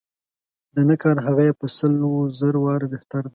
د نه کار هغه یې په سل و زر واره بهتر دی.